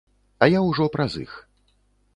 А я ўжо праз іх.